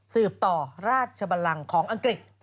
สืบต่อราชบันลังของอังกฤษ